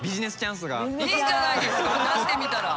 いいんじゃないですか出してみたら。